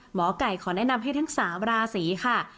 หมอไก่ขอแนะนำให้ทั้ง๓ราศีค่ะ